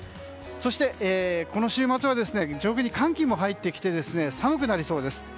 そして、この週末は上空に寒気も入ってきて寒くなりそうです。